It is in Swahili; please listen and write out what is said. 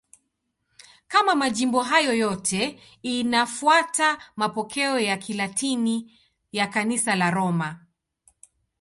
Kama majimbo hayo yote, linafuata mapokeo ya Kilatini ya Kanisa la Roma.